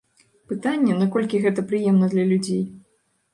Пытанне, наколькі гэта прыемна для людзей.